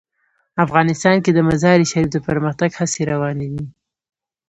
افغانستان کې د مزارشریف د پرمختګ هڅې روانې دي.